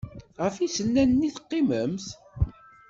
Ɣef yisennanen i teqqimemt?